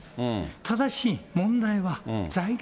ただし問題は財源。